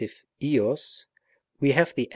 cos we have the A.